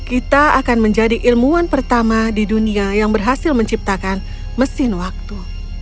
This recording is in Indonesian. kita akan menjadi ilmuwan pertama di dunia yang berhasil menciptakan mesin waktu